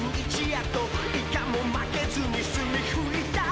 「イカも負けずにスミふいた」